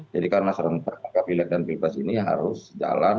jadi karena serentak vilainya dan vilainya ini harus jalan